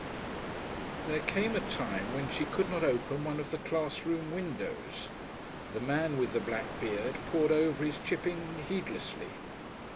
§3 There came a time when she could not open one of the class room windows. The man with the black beard pored over his chipping heedlessly....